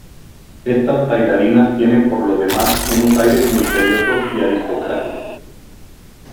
Estas bailarinas tienen por lo demás unos aires misteriosos y aristocráticos.